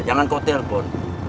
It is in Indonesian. jangan kau telepon